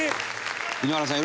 井ノ原さん